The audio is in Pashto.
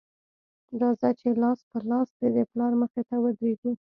راځه چې لاس په لاس دې د پلار مخې ته ودرېږو